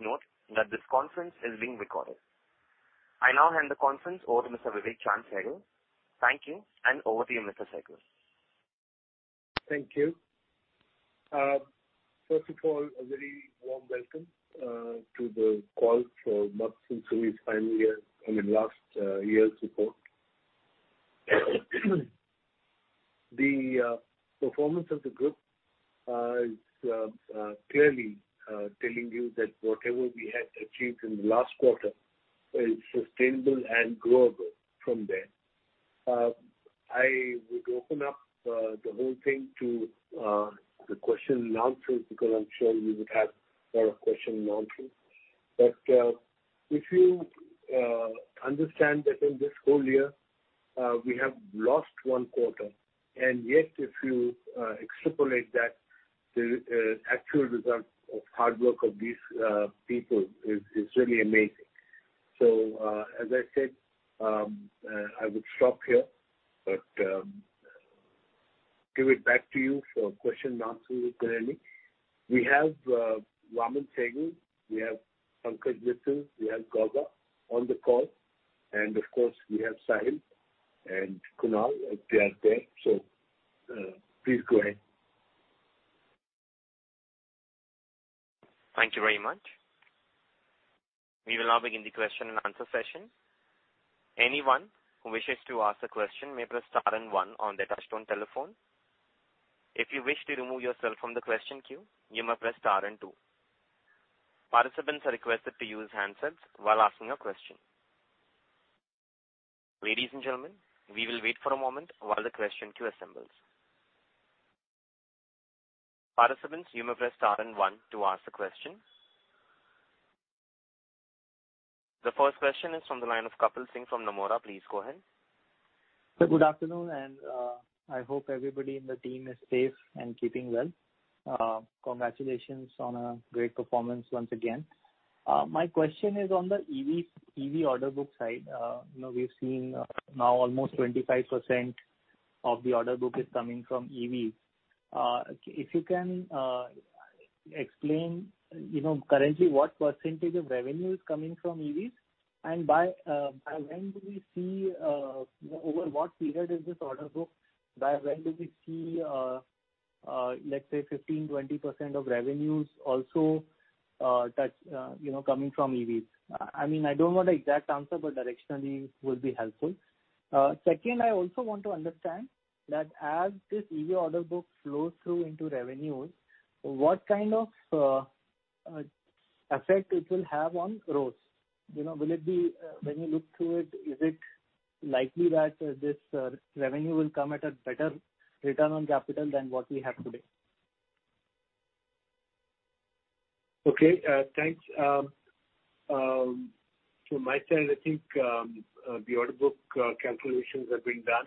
Note that this conference is being recorded. I now hand the conference over to Mr. Vivek Chaand Sehgal. Thank you, and over to you, Mr. Sehgal. Thank you. First of all, a very warm welcome to the call for Motherson Sumi's final year, I mean, last year's report. The performance of the group is clearly telling you that whatever we have achieved in the last quarter is sustainable and growable from there. I would open up the whole thing to the question and answers because I'm sure we would have a lot of questions and answers. But if you understand that in this whole year, we have lost one quarter, and yet if you extrapolate that, the actual result of hard work of these people is really amazing. So, as I said, I would stop here, but give it back to you for questions and answers, if there are any. We have Vaaman Sehgal, we have Pankaj Mital, we have G.N. Gauba on the call, and of course, we have Sahil and Kunal if they are there. So please go ahead. Thank you very much. We will now begin the question and answer session. Anyone who wishes to ask a question may press star and one on their touch-tone telephone. If you wish to remove yourself from the question queue, you may press star and two. Participants are requested to use handsets while asking a question. Ladies and gentlemen, we will wait for a moment while the question queue assembles. Participants, you may press star and one to ask a question. The first question is from the line of Kapil Singh from Nomura. Please go ahead. Good afternoon, and I hope everybody in the team is safe and keeping well. Congratulations on a great performance once again. My question is on the EV order book side. We've seen now almost 25% of the order book is coming from EVs. If you can explain currently what percentage of revenue is coming from EVs, and by when do we see, what period is this order book, by when do we see, let's say, 15%-20% of revenues also coming from EVs? I mean, I don't want an exact answer, but directionally would be helpful. Second, I also want to understand that as this EV order book flows through into revenues, what kind of effect it will have on growth? Will it be, when you look through it, is it likely that this revenue will come at a better return on capital than what we have today? Okay. Thanks. From my side, I think the order book calculations have been done.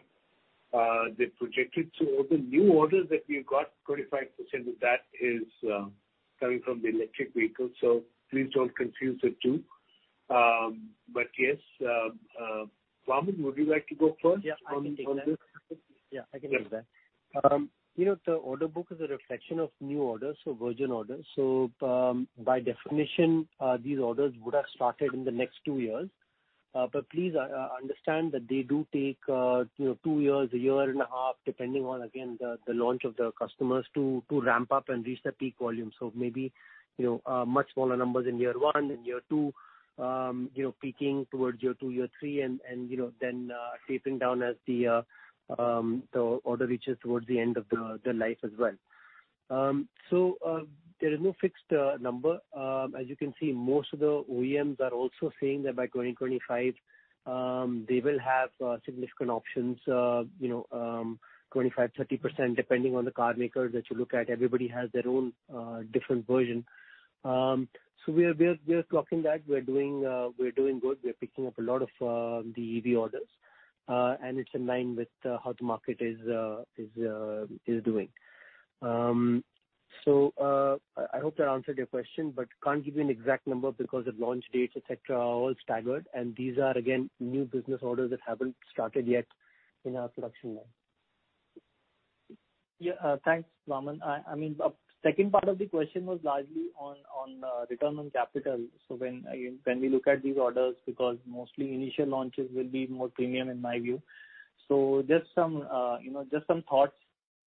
They're projected. So the new orders that we've got, 25% of that is coming from the electric vehicles. So please don't confuse the two. But yes, Vaaman, would you like to go first on this? Yeah. I can take that. I can take that. The order book is a reflection of new orders, so virgin orders. So by definition, these orders would have started in the next two years. But please understand that they do take two years, a year and a half, depending on, again, the launch of the customers to ramp up and reach their peak volume. So maybe much smaller numbers in year one, in year two, peaking towards year two, year three, and then tapering down as the order reaches towards the end of the life as well. So there is no fixed number. As you can see, most of the OEMs are also saying that by 2025, they will have significant options, 25%-30%, depending on the car makers that you look at. Everybody has their own different version. So we are clocking that. We're doing good. We're picking up a lot of the EV orders, and it's in line with how the market is doing. So I hope that answered your question, but can't give you an exact number because the launch dates, et cetera, are all staggered, and these are, again, new business orders that haven't started yet in our production line. Yeah. Thanks, Vaaman. I mean, the second part of the question was largely on return on capital. So when we look at these orders, because mostly initial launches will be more premium in my view, so just some thoughts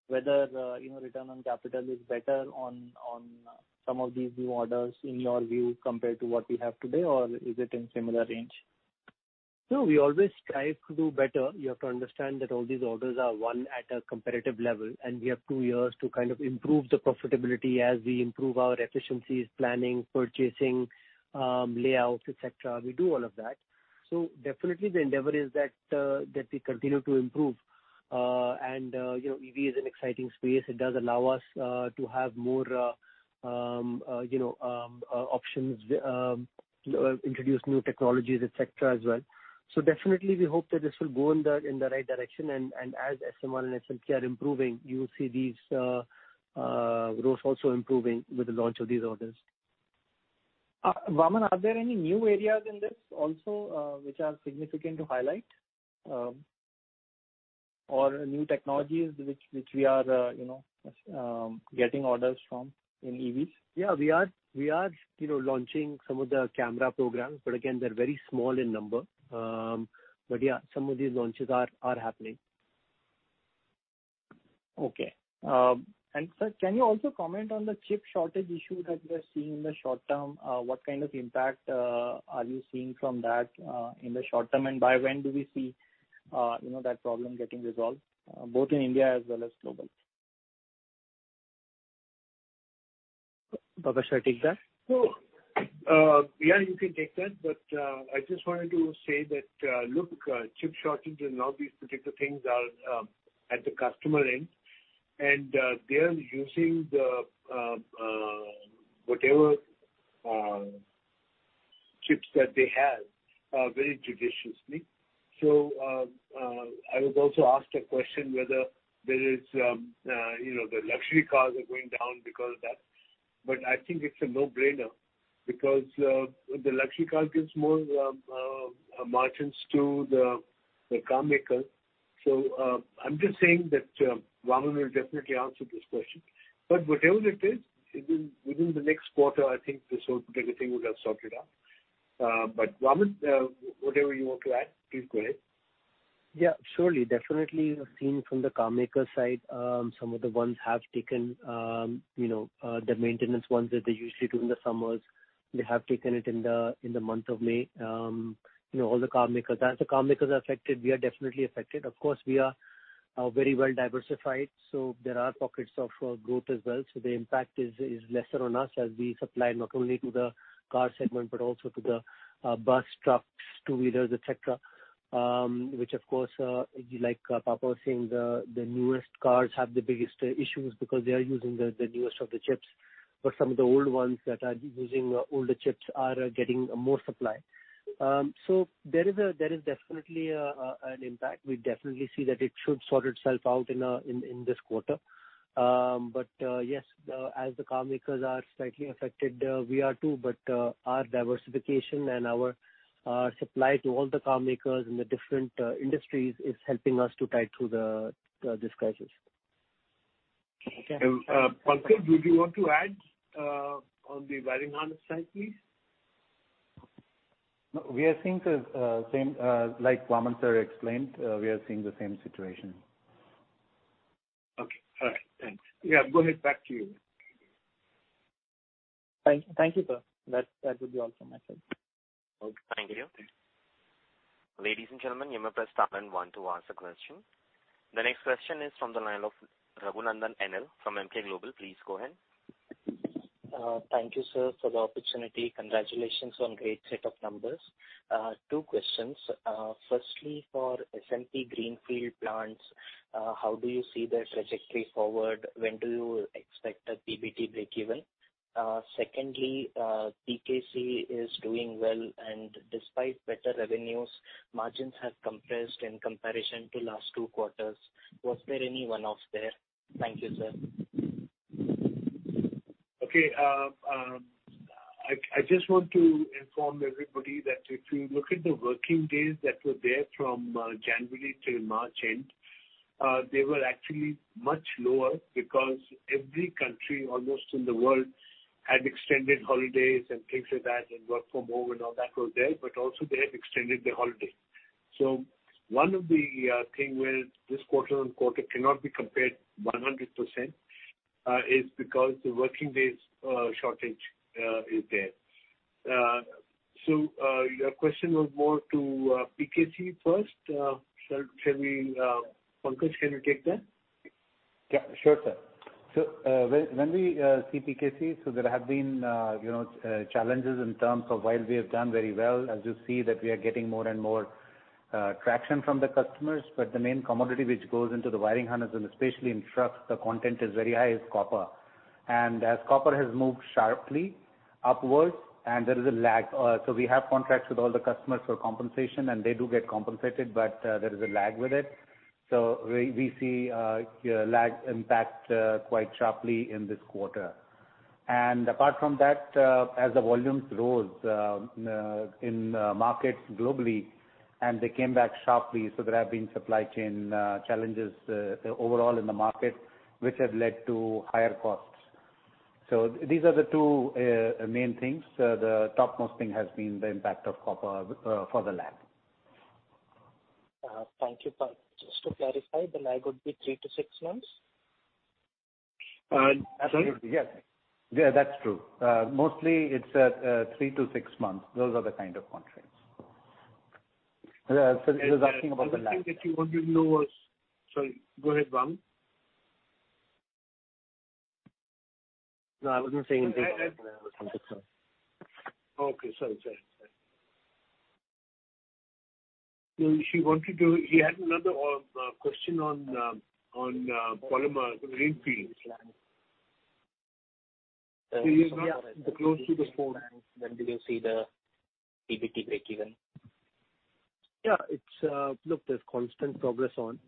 whether return on capital is better on some of these new orders in your view compared to what we have today, or is it in a similar range? So we always strive to do better. You have to understand that all these orders are one at a comparative level, and we have two years to kind of improve the profitability as we improve our efficiencies, planning, purchasing, layouts, et cetera. We do all of that. So definitely, the endeavor is that we continue to improve. And EV is an exciting space. It does allow us to have more options, introduce new technologies, et cetera, as well. So definitely, we hope that this will go in the right direction. And as SMR and SMP are improving, you will see these growth also improving with the launch of these orders. Vaaman, are there any new areas in this also which are significant to highlight or new technologies which we are getting orders from in EVs? Yeah. We are launching some of the camera programs, but again, they're very small in numbers. But yeah, some of these launches are happening. Okay. And sir, can you also comment on the chip shortage issue that we are seeing in the short term? What kind of impact are you seeing from that in the short term? And by when do we see that problem getting resolved, both in India as well as globally? So yeah, you can take that, but I just wanted to say that, look, chip shortage and all these particular things are at the customer end, and they're using whatever chips that they have very judiciously. So I was also asked a question whether the luxury cars are going down because of that. But I think it's a no-brainer because the luxury car gives more margins to the car makers. So I'm just saying that Vaaman will definitely answer this question. But whatever it is, within the next quarter, I think this whole particular thing would have sorted out. But Vaaman, whatever you want to add, please go ahead. Yeah. Surely. Definitely, you've seen from the car maker side, some of the ones have taken the maintenance ones that they usually do in the summers. They have taken it in the month of May. All the car makers, as the car makers are affected, we are definitely affected. Of course, we are very well diversified, so there are pockets of growth as well. So the impact is lesser on us as we supply not only to the car segment but also to the bus, trucks, two-wheelers, et cetera, which, of course, like Papa was saying, the newest cars have the biggest issues because they are using the newest of the chips. But some of the old ones that are using older chips are getting more supply. So there is definitely an impact. We definitely see that it should sort itself out in this quarter. But yes, as the car makers are slightly affected, we are too, but our diversification and our supply to all the car makers in the different industries is helping us to tighten through this crisis. Pankaj, would you want to add on the wiring harness side, please? We are seeing the same. Like Vaaman Sehgal explained, we are seeing the same situation. Okay. All right. Thanks. Yeah. Go ahead. Back to you. Thank you, sir. That would be all from my side. Thank you. Ladies and gentlemen, you may press star and one to ask a question. The next question is from the line of Raghunandan N.L. from Emkay Global. Please go ahead. Thank you, sir, for the opportunity. Congratulations on a great set of numbers. Two questions. Firstly, for SMP Greenfield Plants, how do you see their trajectory forward? When do you expect a PBT breakeven? Secondly, PKC is doing well, and despite better revenues, margins have compressed in comparison to last two quarters. Was there any one-off there? Thank you, sir. Okay. I just want to inform everybody that if you look at the working days that were there from January till March end, they were actually much lower because every country almost in the world had extended holidays and things like that and work from home and all that was there. But also, they have extended the holiday. So one of the things where this quarter and quarter cannot be compared 100% is because the working days shortage is there. So your question was more to PKC first. Pankaj, can you take that? Sure, sir. So when we see PKC, so there have been challenges in terms of while we have done very well, as you see that we are getting more and more traction from the customers. But the main commodity which goes into the wiring harnesses, and especially in trucks, the content is very high, is copper. And as copper has moved sharply upward, and there is a lag. We have contracts with all the customers for compensation, and they do get compensated, but there is a lag with it. So we see a lag impact quite sharply in this quarter. And apart from that, as the volumes rose in markets globally, and they came back sharply, so there have been supply chain challenges overall in the market, which have led to higher costs. So these are the two main things. The topmost thing has been the impact of copper for the lag. Thank you. Just to clarify, the lag would be three to six months? Absolutely. Yes. Yeah, that's true. Mostly, it's three to six months. Those are the kind of contracts. So it was asking about the lag. I was thinking that you wanted lower. Sorry. Go ahead, Laksh. No, I wasn't saying anything. Okay. Sorry. No, she wanted to. She had another question on Polymer Greenfield. She is not close to the phone. When do you see the PBT breakeven? Yeah. Look, there's constant progress on.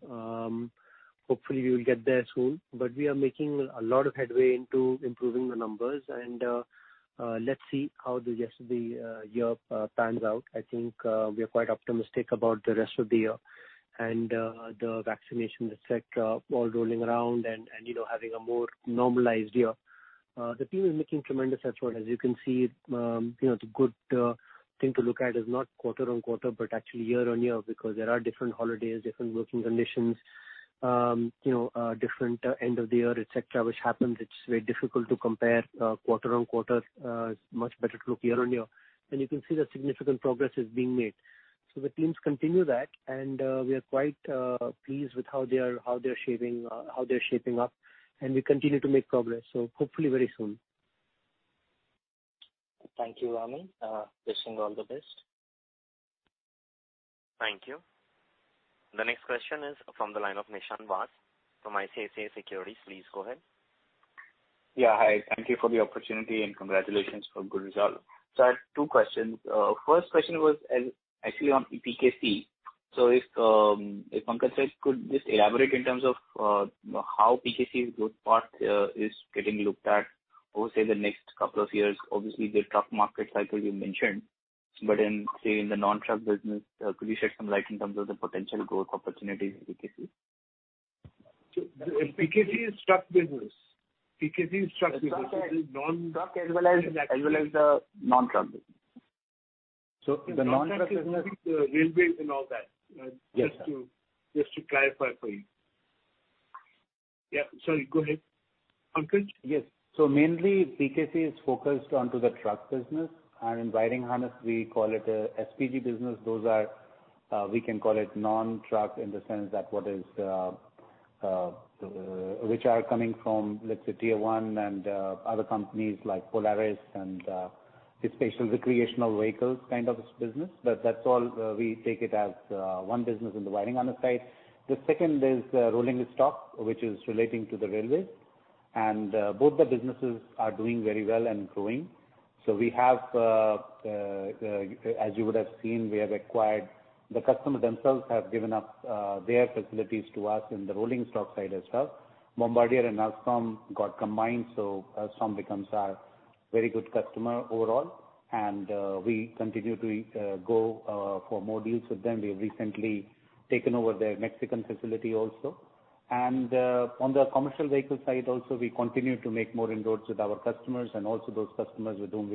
Hopefully, we will get there soon. But we are making a lot of headway into improving the numbers, and let's see how the rest of the year pans out. I think we are quite optimistic about the rest of the year and the vaccination, et cetera, all rolling around and having a more normalized year. The team is making tremendous effort. As you can see, the good thing to look at is not quarter-on-quarter, but actually year on year because there are different holidays, different working conditions, different end of the year, et cetera, which happens. It's very difficult to compare quarter-on-quarter. It's much better to look year on year. And you can see the significant progress is being made. So the teams continue that, and we are quite pleased with how they are shaping up. And we continue to make progress. So hopefully, very soon. Thank you, Vaaman. Wishing all the best. Thank you. The next question is from the line of Nishant Vass from ICICI Securities, please go ahead. Yeah. Hi. Thank you for the opportunity, and congratulations for a good result. So I had two questions. First question was actually on PKC. So if Pankaj Sir could just elaborate in terms of how PKC's growth path is getting looked at over, say, the next couple of years? Obviously, the truck market cycle you mentioned. But in, say, the non-truck business, could you shed some light in terms of the potential growth opportunities in PKC? PKC is truck business. It is non. Truck as well as. truck as well as the non-truck business. The non-truck business. So I think the railways and all that. Just to clarify for you. Yeah. Sorry. Go ahead. Pankaj? Yes. So mainly, PKC is focused on the truck business. And in wiring harnesses, we call it an SPG business. We can call it non-truck in the sense that which are coming from, let's say, Tier 1 and other companies like Polaris and specialty recreational vehicles kind of business. But that's all we take it as one business in the wiring harnesses side. The second is rolling stock, which is relating to the railways. And both the businesses are doing very well and growing. So we have, as you would have seen, we have acquired the customers themselves have given up their facilities to us in the rolling stock side as well. Bombardier and Alstom got combined, so Alstom becomes our very good customer overall. And we continue to go for more deals with them. We have recently taken over their Mexican facility also. And on the commercial vehicle side also, we continue to make more inroads with our customers and also those customers to whom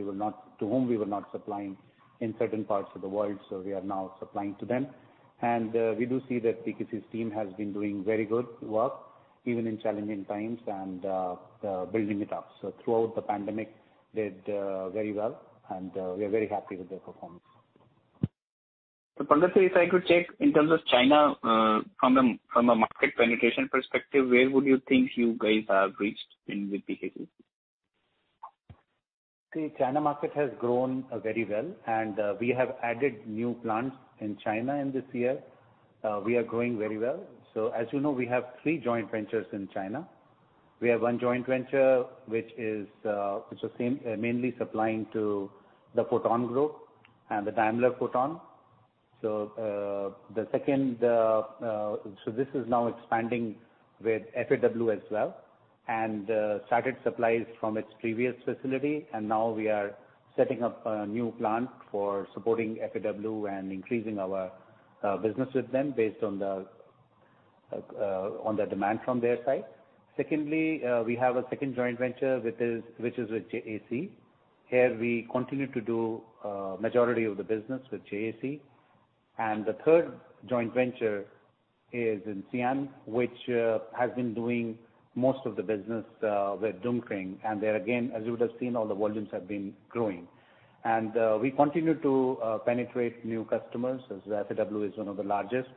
we were not supplying in certain parts of the world. So we are now supplying to them. And we do see that PKC's team has been doing very good work even in challenging times and building it up. So throughout the pandemic, they did very well, and we are very happy with their performance. So Pankaj Sir, if I could check in terms of China from a market penetration perspective, where would you think you guys have reached in PKC? See, China market has grown very well, and we have added new plants in China in this year. We are growing very well. So as you know, we have three joint ventures in China. We have one joint venture which is mainly supplying to the Foton Group and the Daimler Foton. So this is now expanding with FAW as well and started supplies from its previous facility. And now we are setting up a new plant for supporting FAW and increasing our business with them based on the demand from their side. Secondly, we have a second joint venture which is with JAC. Here, we continue to do the majority of the business with JAC. And the third joint venture is in Xi'an, which has been doing most of the business with Dongfeng. And there again, as you would have seen, all the volumes have been growing. We continue to penetrate new customers as FAW is one of the largest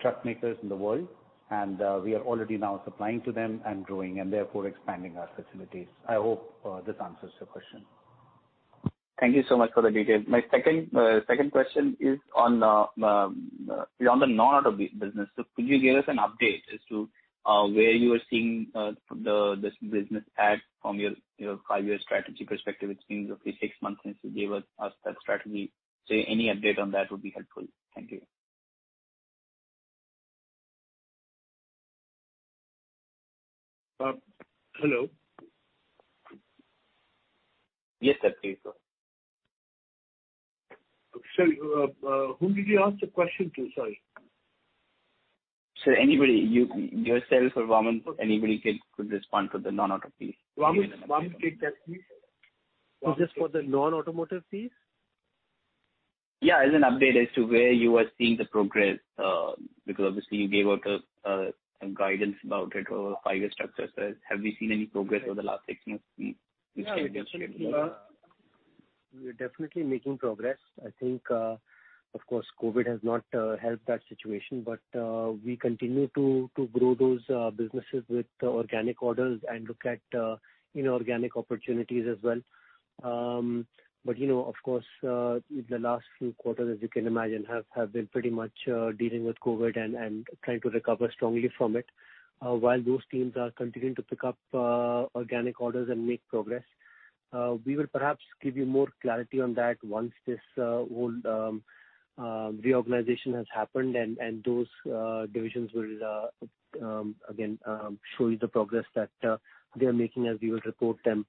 truck makers in the world. We are already now supplying to them and growing and therefore expanding our facilities. I hope this answers your question. Thank you so much for the details. My second question is on the non-automotive business. So could you give us an update as to where you are seeing this business at from your five-year strategy perspective? It's been roughly six months since you gave us that strategy. So any update on that would be helpful. Thank you. Hello. Yes, sir. Please go. Okay. Sorry. Who did you ask the question to? Sorry. Sir, anybody, yourself or Vaaman, anybody could respond for the non-auto piece. Vaaman can you take that, please? Just for the non-automotive piece? Yeah. As an update as to where you are seeing the progress because obviously, you gave out guidance about it over five-year structure. So have we seen any progress over the last six months? Yeah. We are definitely making progress. I think, of course, COVID has not helped that situation, but we continue to grow those businesses with organic orders and look at inorganic opportunities as well. But of course, the last few quarters, as you can imagine, have been pretty much dealing with COVID and trying to recover strongly from it. While those teams are continuing to pick up organic orders and make progress, we will perhaps give you more clarity on that once this whole reorganization has happened, and those divisions will again show you the progress that they are making as we will report them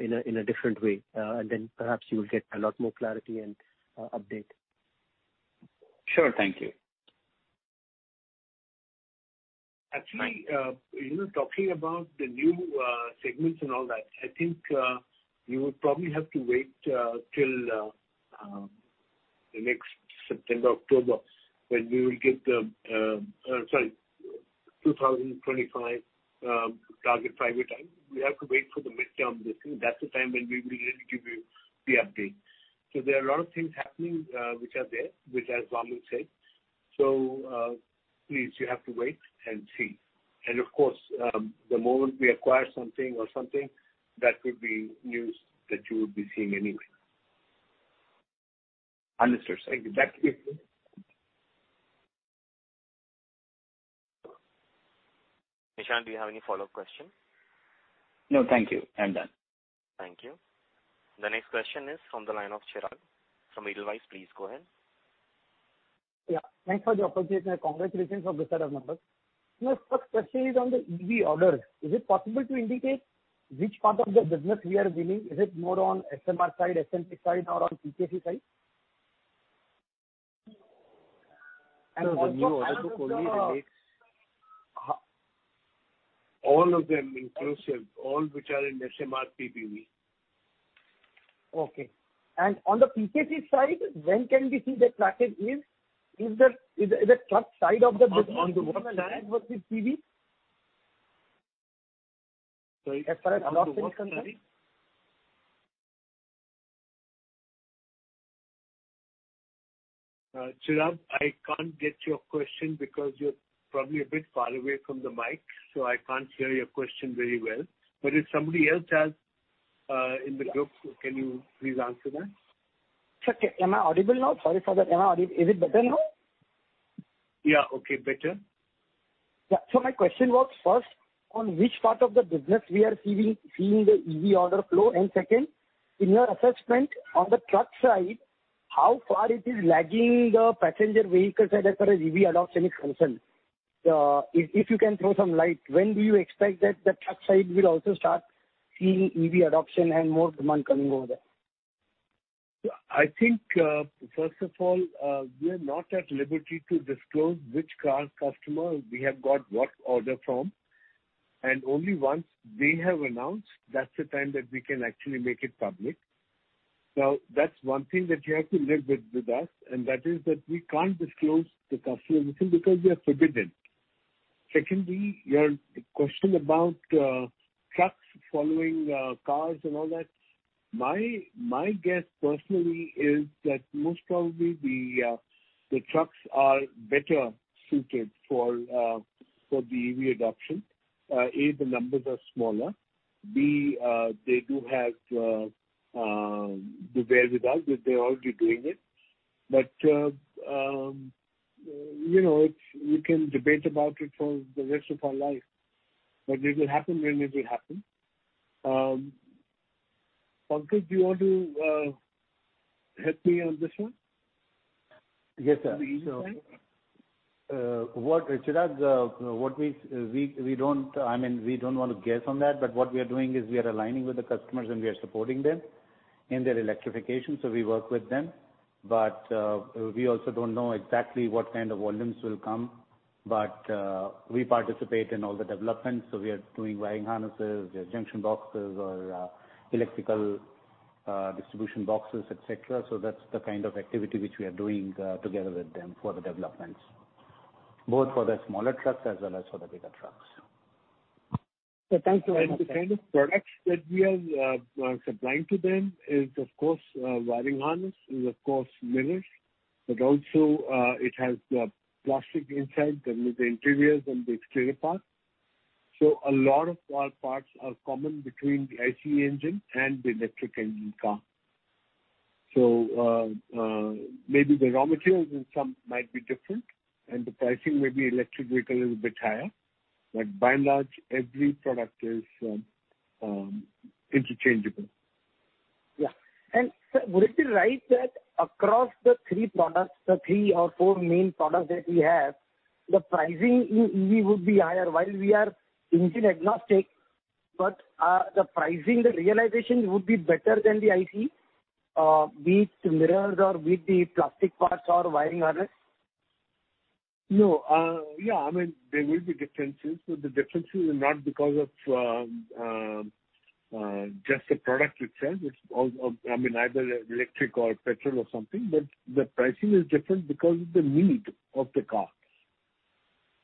in a different way. And then perhaps you will get a lot more clarity and update. Sure. Thank you. Actually, talking about the new segments and all that, I think you would probably have to wait till the next September, October when we will get the-sorry-2025 targets provide timeline. We have to wait for the midterms. That's the time when we will really give you the update. So there are a lot of things happening which are there, which, as Vaaman said. So please, you have to wait and see, and of course, the moment we acquire something or something, that would be news that you would be seeing anyway. Understood, sir. Exactly. Nishant, do you have any follow-up question? No. Thank you. I'm done. Thank you. The next question is from the line of Chirag from Edelweiss, please go ahead. Yeah. Thanks for the opportunity. Congratulations on this set of numbers. My first question is on the EV orders. Is it possible to indicate which part of the business we are winning? Is it more on SMR side, SMP side, or on PKC side? I also look only at all of them inclusive, all which are in SMRPBV. Okay. And on the PKC side, when can we see the traction? Is it the truck side of the business? On the one side. Versus PV? Sorry? As far as cost and return? Chirag, I can't get your question because you're probably a bit far away from the mic, so I can't hear your question very well. But if somebody else has in the group, can you please answer that? Am I audible now? Sorry for that. Is it better now? Yeah. Okay. Better. Yeah. So my question was first, on which part of the business we are seeing the EV order flow? And second, in your assessment on the truck side, how far it is lagging the passenger vehicles as far as EV adoption is concerned? If you can throw some light, when do you expect that the truck side will also start seeing EV adoption and more demand coming over there? I think, first of all, we are not at liberty to disclose which car customer we have got what order from. And only once they have announced, that's the time that we can actually make it public. Now, that's one thing that you have to live with us, and that is that we can't disclose the customer because we are forbidden. Secondly, your question about trucks following cars and all that, my guess personally is that most probably the trucks are better suited for the EV adoption. A, the numbers are smaller. B, they do have the wherewithal. They're already doing it. But we can debate about it for the rest of our life. But it will happen when it will happen. Pankaj, do you want to help me on this one? Yes, sir. Chirag, what we—I mean, we don't want to guess on that, but what we are doing is we are aligning with the customers, and we are supporting them in their electrification. So we work with them. But we also don't know exactly what kind of volumes will come. But we participate in all the developments. So we are doing wiring harnesses, junction boxes or electrical distribution boxes, et cetera. So that's the kind of activity which we are doing together with them for the developments, both for the smaller trucks as well as for the bigger trucks. Thank you. The kind of products that we are supplying to them is, of course, wiring harnesses, is, of course, mirrors, but also it has the plastic inside and the interiors and the exterior part. So a lot of our parts are common between the IC engine and the electric engine car. So maybe the raw materials in some might be different, and the pricing may be electric vehicle a little bit higher. But by and large, every product is interchangeable. Yeah. And sir, would it be right that across the three products, the three or four main products that we have, the pricing in EV would be higher while we are engine agnostic, but the pricing, the realization would be better than the IC be it mirrors or be it the plastic parts or wiring harnesses? No. Yeah. I mean, there will be differences, but the differences are not because of just the product itself. I mean, either electric or petrol or something, but the pricing is different because of the need of the car.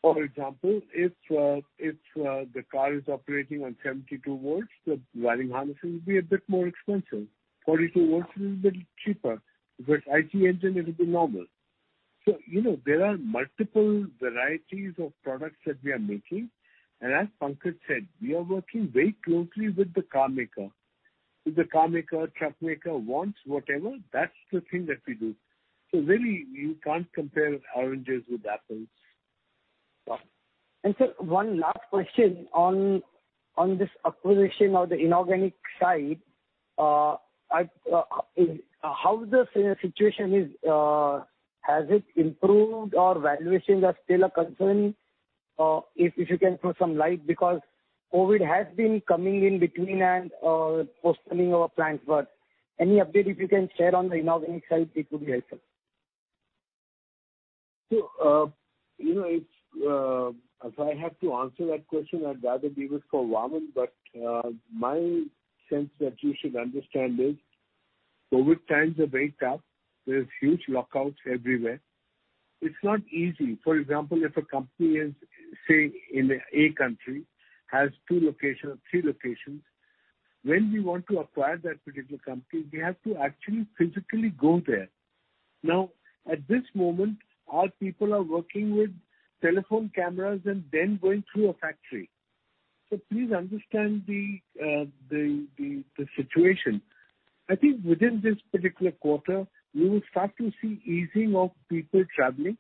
For example, if the car is operating on 72V, the wiring harnesses will be a bit more expensive. 42V is a little bit cheaper. With IC engine, it will be normal, so there are multiple varieties of products that we are making. And as Pankaj said, we are working very closely with the car maker. If the car maker, truck maker wants whatever, that's the thing that we do, so really, you can't compare oranges with apples. Sir, one last question on this acquisition of the inorganic side. How does the situation? Has it improved or valuations are still a concern if you can throw some light? Because COVID has been coming in between and postponing our plans, but any update if you can share on the inorganic side, it would be helpful. So if I have to answer that question, I'd rather give it for Vaaman. But my sense that you should understand is COVID times are very tough. There are huge lockdowns everywhere. It's not easy. For example, if a company is, say, in a country, has two locations or three locations, when we want to acquire that particular company, we have to actually physically go there. Now, at this moment, our people are working with telephone cameras and then going through a factory. So please understand the situation. I think within this particular quarter, we will start to see easing of people traveling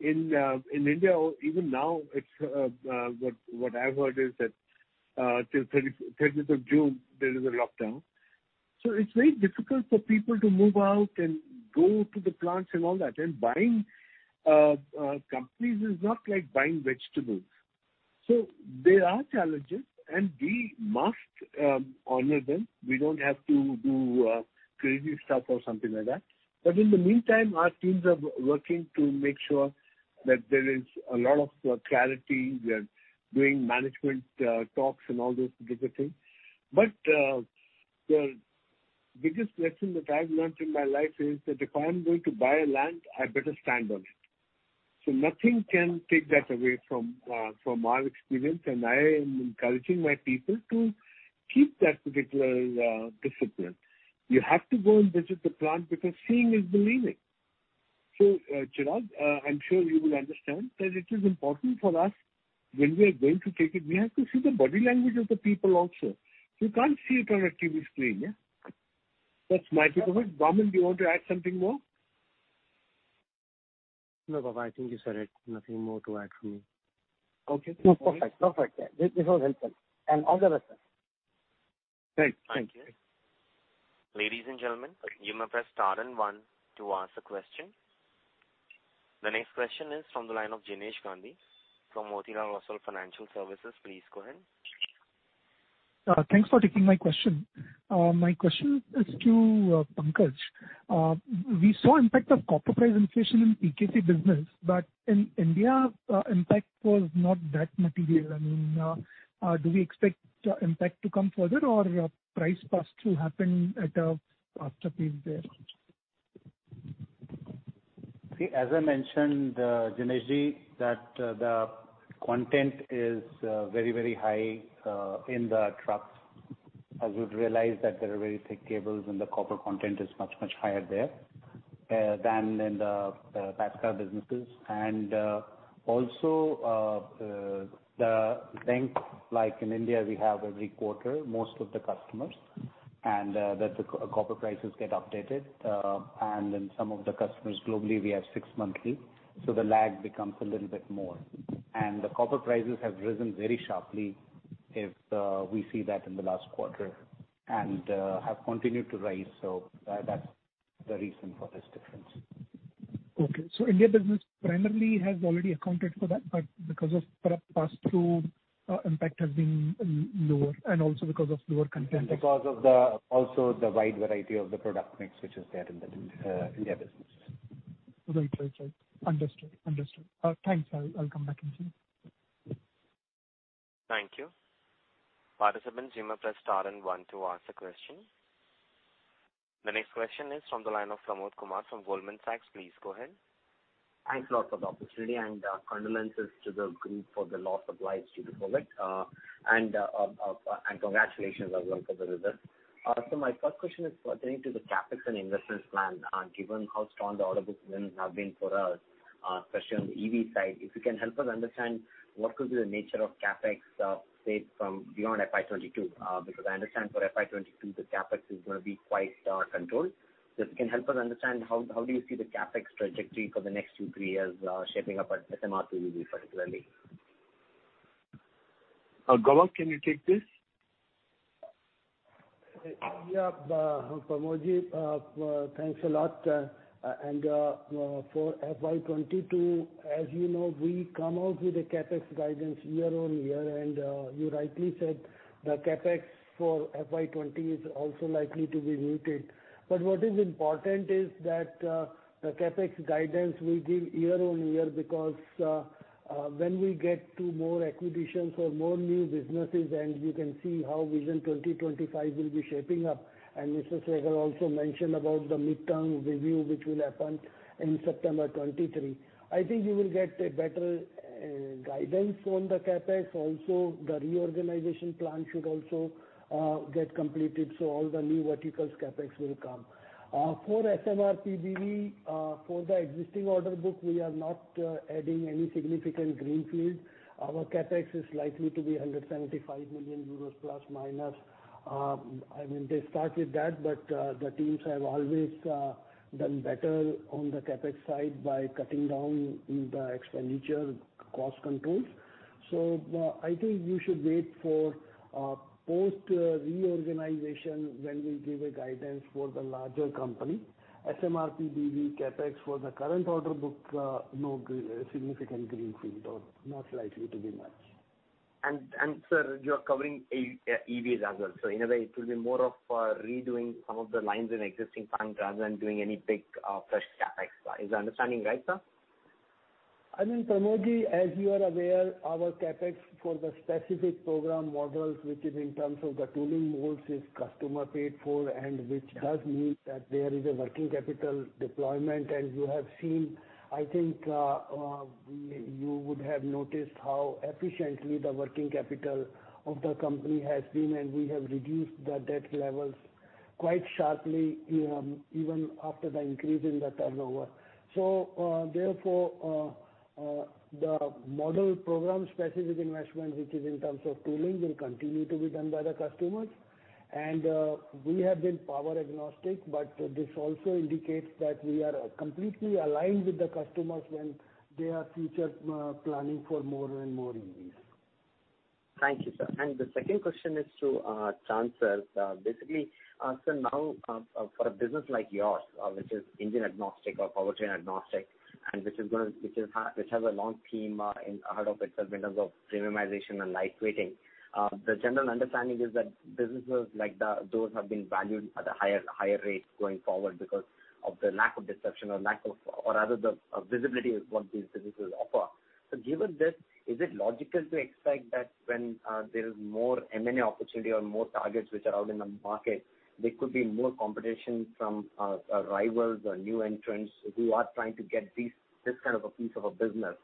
in India. Even now, what I've heard is that till 30th of June, 2021, there is a lockdown. So it's very difficult for people to move out and go to the plants and all that. And buying companies is not like buying vegetables. So there are challenges, and we must honor them. We don't have to do crazy stuff or something like that. But in the meantime, our teams are working to make sure that there is a lot of clarity. We are doing management talks and all those different things. But the biggest lesson that I've learned in my life is that if I'm going to buy a land, I better stand on it. So nothing can take that away from our experience. And I am encouraging my people to keep that particular discipline. You have to go and visit the plant because seeing is believing. So Chirag, I'm sure you will understand that it is important for us when we are going to take it. We have to see the body language of the people also. You can't see it on a TV screen, yeah? That's my takeaway. Vaaman, do you want to add something more? No, Vivek, I think you said it. Nothing more to add from me. Okay. Perfect. Perfect. This was helpful. And all the best, sir. Thanks. Thank you. Ladies and gentlemen, you may press star and one to ask a question. The next question is from the line of Jinesh Gandhi from Motilal Oswal Financial Services. Please go ahead. Thanks for taking my question. My question is to Pankaj. We saw impact of copper price inflation in PKC business, but in India, impact was not that material. I mean, do we expect impact to come further or price pass-through happen at a faster pace there? See, as I mentioned, Jinesh, that the content is very, very high in the trucks. As you'd realize, that there are very thick cables and the copper content is much, much higher there than in the passenger car businesses. And also, the benchmark, like in India, we have every quarter, most of the customers, and that the copper prices get updated. And in some of the customers globally, we have six monthly. So the lag becomes a little bit more. And the copper prices have risen very sharply if we see that in the last quarter and have continued to rise. So that's the reason for this difference. Okay. So India business primarily has already accounted for that, but because of pass-through, impact has been lower and also because of lower content. Because of also the wide variety of the product mix which is there in the India business. Right. Right. Right. Understood. Understood. Thanks. I'll come back and see. Thank you. Participants, you may press star and one to ask a question. The next question is from the line of Pramod Kumar from Goldman Sachs. Please go ahead. Thanks a lot for the opportunity and condolences to the group for the loss of lives due to COVID. And congratulations as well for the results. So my first question is pertaining to the CapEx and investment plan. Given how strong the order book wins have been for us, especially on the EV side, if you can help us understand what could be the nature of CapEx spend from beyond FY22. Because I understand for FY22, the CapEx is going to be quite controlled. So if you can help us understand, how do you see the CapEx trajectory for the next two, three years shaping up at SMRPBV particularly? Gauba, can you take this? Yeah. Pramod, thanks a lot. For FY22, as you know, we come out with a CapEx guidance year on year. You rightly said the CapEx for FY20 is also likely to be muted. What is important is that the CapEx guidance we give year on year because when we get to more acquisitions or more new businesses and you can see how Vision 2025 will be shaping up. Mr. Sehgal also mentioned about the midterm review which will happen in September 2023. I think you will get a better guidance on the CapEx. The reorganization plan should also get completed so all the new verticals CapEx will come. For SMRPBV, for the existing order book, we are not adding any significant greenfield. Our CapEx is likely to be EUR 175± million. I mean, they start with that, but the teams have always done better on the CapEx side by cutting down the expenditure cost controls. So I think you should wait for post-reorganization when we give a guidance for the larger company. SMRPBV CapEx for the current order book, no significant greenfield or not likely to be much. Sir, you're covering EVs as well. In a way, it will be more of redoing some of the lines in existing plants rather than doing any big fresh CapEx. Is my understanding right, sir? I mean, Pramod, as you are aware, our CapEx for the specific program models, which is in terms of the tooling molds, is customer paid for, and which does mean that there is a working capital deployment, and you have seen, I think you would have noticed how efficiently the working capital of the company has been, and we have reduced the debt levels quite sharply even after the increase in the turnover. So therefore, the model-program-specific investment, which is in terms of tooling, will continue to be done by the customers, and we have been powertrain agnostic, but this also indicates that we are completely aligned with the customers when they are future planning for more and more EVs. Thank you, sir. And the second question is to Chaand, sir. Basically, sir, now for a business like yours, which is engine agnostic or powertrain agnostic and which has a long-term ahead of itself in terms of premiumization and lightweighting, the general understanding is that businesses like those have been valued at a higher rate going forward because of the lack of disruption or lack of, or rather, the visibility of what these businesses offer. So given this, is it logical to expect that when there is more M&A opportunity or more targets which are out in the market, there could be more competition from rivals or new entrants who are trying to get this kind of a piece of a business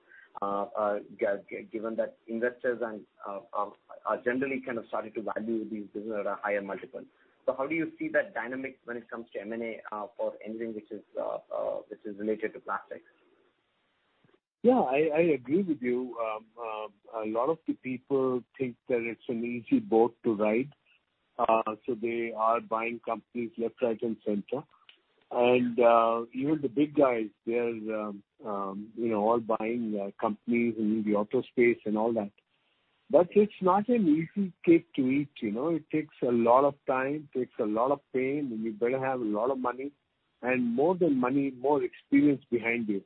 given that investors are generally kind of starting to value these businesses at a higher multiple? So how do you see that dynamic when it comes to M&A for engine which is related to plastics? Yeah. I agree with you. A lot of the people think that it's an easy boat to ride. So they are buying companies left, right, and center. And even the big guys, they're all buying companies in the auto space and all that. But it's not an easy cake to eat. It takes a lot of time, takes a lot of pain, and you better have a lot of money and more than money, more experience behind you.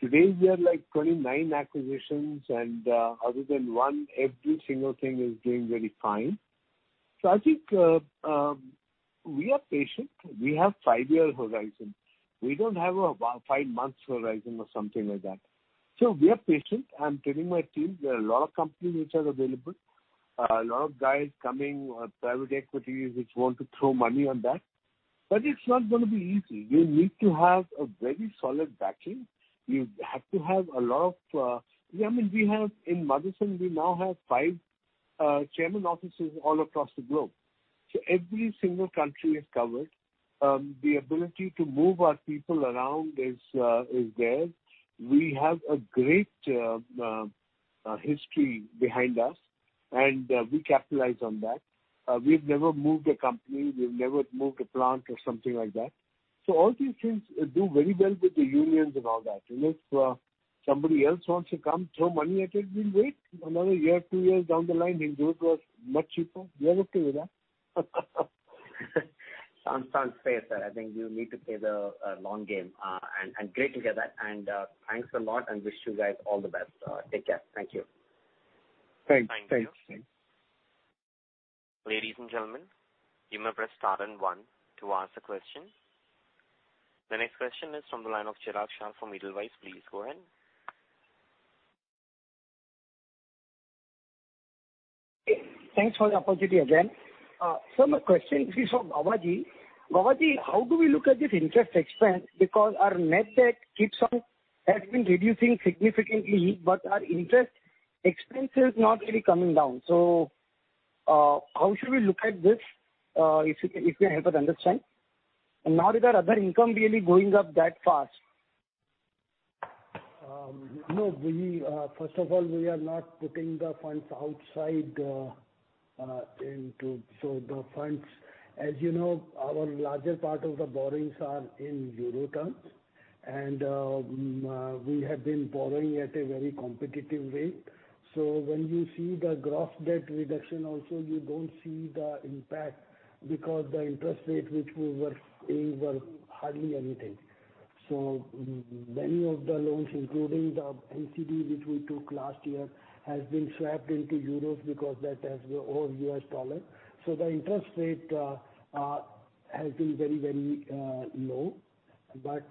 Today, we are like 29 acquisitions, and other than one, every single thing is doing very fine. So I think we are patient. We have a five-year horizon. We don't have a five-month horizon or something like that. So we are patient. I'm telling my team, there are a lot of companies which are available, a lot of guys coming or private equities which want to throw money on that. But it's not going to be easy. You need to have a very solid backing. You have to have a lot of, I mean, we have in Motherson, we now have five chairman offices all across the globe. So every single country is covered. The ability to move our people around is there. We have a great history behind us, and we capitalize on that. We've never moved a company. We've never moved a plant or something like that. So all these things do very well with the unions and all that. And if somebody else wants to come throw money at it, we'll wait another year, two years down the line. India was much cheaper. We are okay with that. Sounds fair, sir. I think you need to play the long game. And great to hear that. And thanks a lot and wish you guys all the best. Take care. Thank you. Thanks. Thanks. Ladies and gentlemen, you may press star and one to ask a question. The next question is from the line of Chirag Shah from Edelweiss. Please go ahead. Thanks for the opportunity again. Sir, my question is from Pankaj. Pankaj, how do we look at this interest expense? Because our net debt has been reducing significantly, but our interest expense is not really coming down. So how should we look at this if you can help us understand? And now, are there other income really going up that fast? No. First of all, we are not putting the funds outside into. So the funds, as you know, our larger part of the borrowings are in euro terms. And we have been borrowing at a very competitive rate. So when you see the gross debt reduction, also, you don't see the impact because the interest rate which we were paying was hardly anything. So many of the loans, including the NCD which we took last year, have been swapped into euros because that has the old U.S. dollar. So the interest rate has been very, very low. But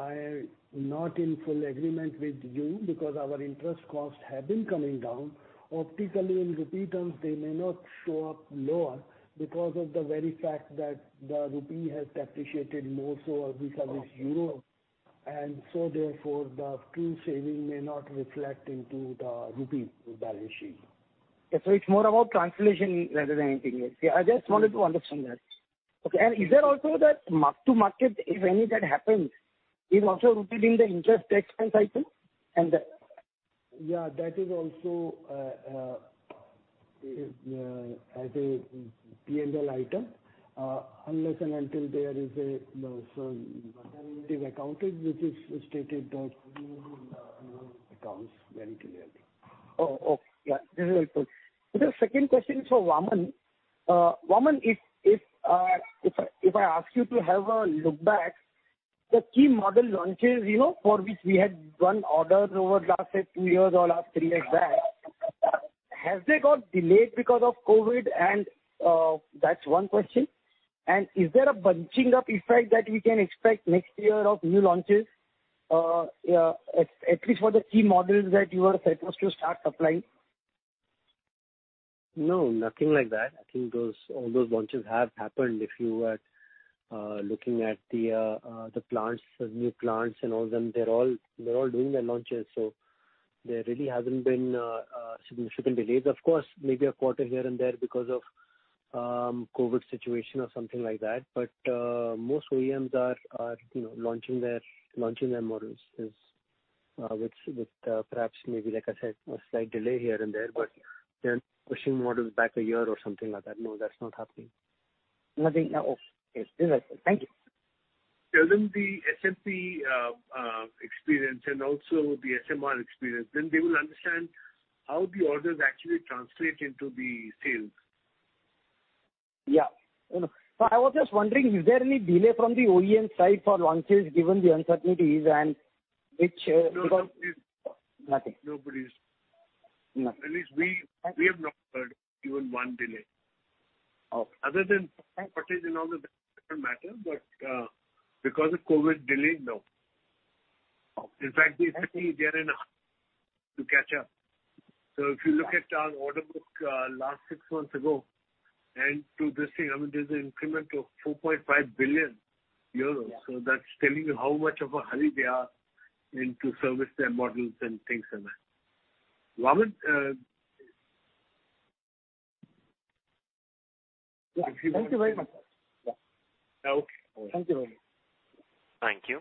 I'm not in full agreement with you because our interest costs have been coming down. Optically, in rupee terms, they may not show up lower because of the very fact that the rupee has depreciated more so because it's euro. And so therefore, the true saving may not reflect into the rupee balance sheet. It's more about translation rather than anything. I just wanted to understand that. Okay. Is there also that mark to market, if any, that happens, is also rooted in the interest expense item? Yeah. That is also a P&L item unless and until there is an accounting standard which states that accounts very clearly. Oh, okay. Yeah. This is helpful. The second question is for Vaaman. Vaaman, if I ask you to have a look back, the key model launches for which we had one order over the last, say, two years or last three years back, have they got delayed because of COVID? And that's one question. And is there a bunching up effect that we can expect next year of new launches, at least for the key models that you were supposed to start supplying? No, nothing like that. I think all those launches have happened. If you were looking at the new plants and all them, they're all doing their launches. So there really hasn't been significant delays. Of course, maybe a quarter here and there because of the COVID situation or something like that. But most OEMs are launching their models with perhaps maybe, like I said, a slight delay here and there, but they're pushing models back a year or something like that. No, that's not happening. Nothing? Okay. This is helpful. Thank you. Given the SMP experience and also the SMR experience, then they will understand how the orders actually translate into the sales. Yeah. So I was just wondering, is there any delay from the OEM side for launches given the uncertainties and which nothing? Nobody. At least we have not heard even one delay. Other than what is in all the different matters, but because of COVID delay, no. In fact, they are in a hurry to catch up. So if you look at our order book last six months ago and to this thing, I mean, there's an increment of 4.5 billion euros. So that's telling you how much of a hurry they are into servicing their models and things like that. Vaaman? Thank you very much. Okay. Thank you very much. Thank you.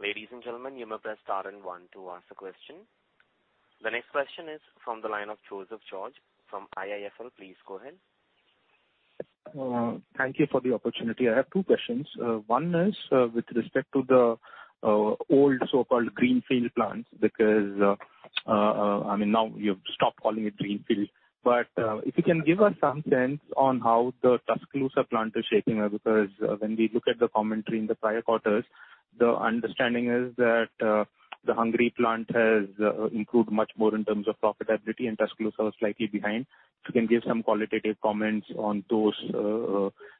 Ladies and gentlemen, you may press star and one to ask a question. The next question is from the line of Joseph George from IIFL. Please go ahead. Thank you for the opportunity. I have two questions. One is with respect to the old so-called greenfield plants because, I mean, now you've stopped calling it greenfield. But if you can give us some sense on how the Tuscaloosa plant is shaping up because when we look at the commentary in the prior quarters, the understanding is that the Hungary plant has improved much more in terms of profitability, and Tuscaloosa was slightly behind. If you can give some qualitative comments on those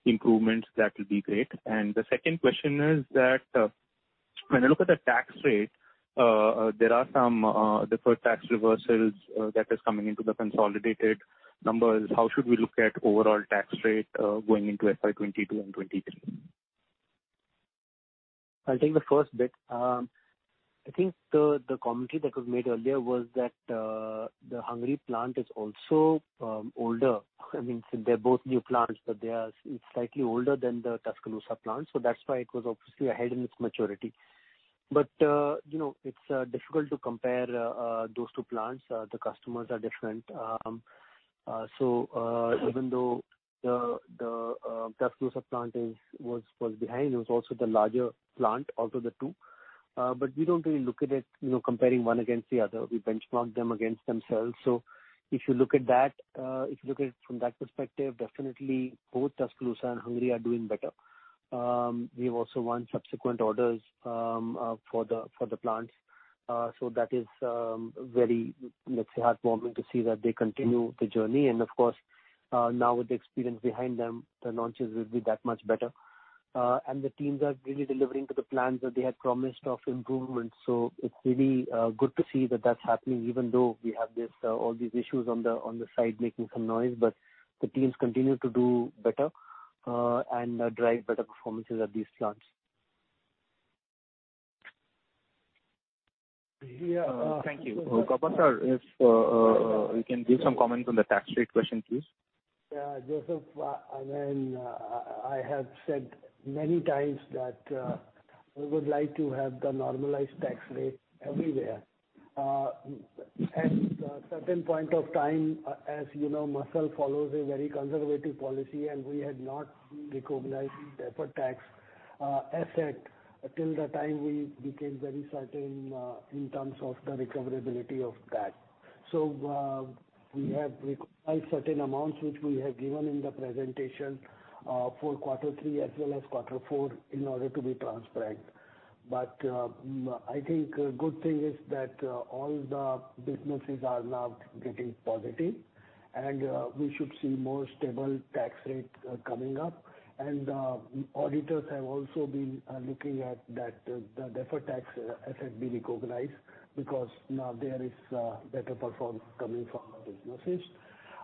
improvements, that would be great. And the second question is that when I look at the tax rate, there are some deferred tax reversals that are coming into the consolidated numbers. How should we look at overall tax rate going into FY2022 and 2023? I'll take the first bit. I think the commentary that was made earlier was that the Hungary plant is also older. I mean, they're both new plants, but they are slightly older than the Tuscaloosa plant. So that's why it was obviously ahead in its maturity. But it's difficult to compare those two plants. The customers are different. So even though the Tuscaloosa plant was behind, it was also the larger plant out of the two. But we don't really look at it comparing one against the other. We benchmark them against themselves. So if you look at that, if you look at it from that perspective, definitely both Tuscaloosa and Hungary are doing better. We have also won subsequent orders for the plants. So that is very, let's say, heartwarming to see that they continue the journey. Of course, now with the experience behind them, the launches will be that much better. The teams are really delivering to the plans that they had promised of improvement. It's really good to see that that's happening even though we have all these issues on the side making some noise. The teams continue to do better and drive better performances at these plants. Yeah. Thank you. Gauba sir, if you can give some comments on the tax rate question, please. Yeah. Joseph, I mean, I have said many times that we would like to have the normalized tax rate everywhere. At a certain point of time, as you know, Motherson follows a very conservative policy, and we had not recognized the deferred tax asset until the time we became very certain in terms of the recoverability of that. So we have recognized certain amounts which we have given in the presentation for quarter three as well as quarter four in order to be transparent. But I think a good thing is that all the businesses are now getting positive, and we should see more stable tax rates coming up. And the auditors have also been looking at the deferred tax asset be recognized because now there is better performance coming from the businesses.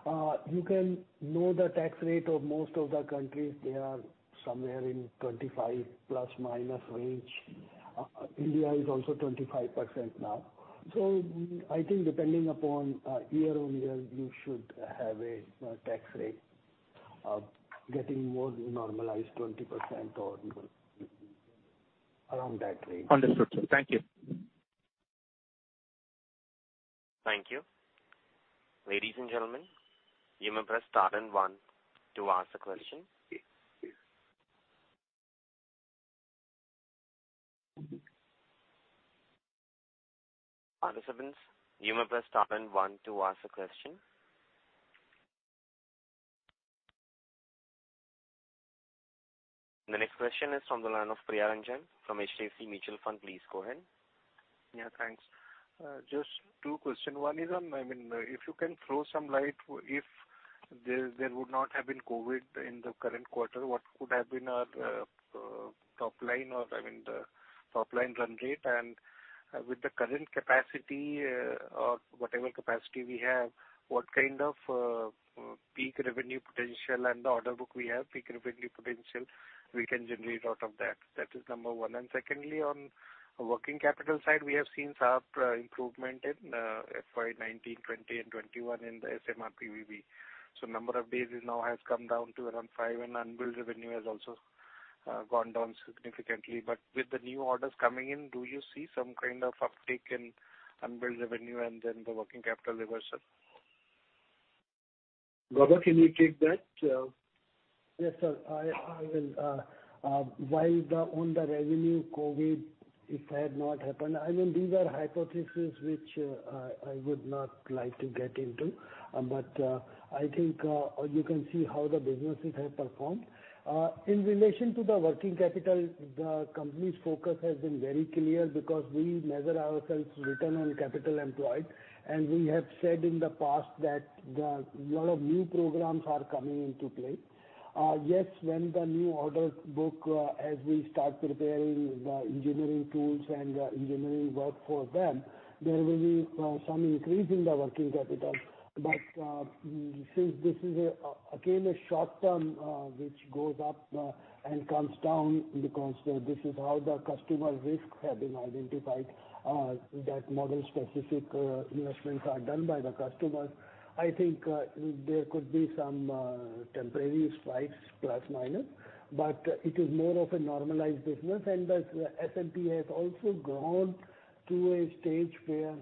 You know the tax rate of most of the countries. They are somewhere in 25%± range. India is also 25% now. So I think depending upon year on year, you should have a tax rate getting more normalized, 20% or around that range. Understood. Thank you. Thank you. Ladies and gentlemen, you may press star and one to ask a question. For other services, you may press star and one to ask a question. The next question is from the line of Priya Ranjan from HDFC Mutual Fund. Please go ahead. Yeah. Thanks. Just two questions. One is on, I mean, if you can throw some light, if there would not have been COVID in the current quarter, what would have been our top line or, I mean, the top line run rate? And with the current capacity or whatever capacity we have, what kind of peak revenue potential and the order book we have, peak revenue potential, we can generate out of that. That is number one. And secondly, on the working capital side, we have seen some improvement in FY 2019, 2020, and 2021 in the SMRPBV. So the number of days now has come down to around five, and unbilled revenue has also gone down significantly. But with the new orders coming in, do you see some kind of uptake in unbilled revenue and then the working capital reversal? Gopal, can you take that? Yes, sir. I will. While on the revenue, COVID, if that had not happened, I mean, these are hypotheses which I would not like to get into. But I think you can see how the businesses have performed. In relation to the working capital, the company's focus has been very clear because we measure ourselves return on capital employed. And we have said in the past that a lot of new programs are coming into play. Yes, when the new order book, as we start preparing the engineering tools and the engineering work for them, there will be some increase in the working capital. But since this is again a short-term which goes up and comes down because this is how the customer risk has been identified, that model-specific investments are done by the customers, I think there could be some temporary spikes, plus minus. But it is more of a normalized business. And the SMP has also grown to a stage where